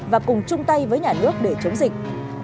và cùng chung tay với nhà nước để chống dịch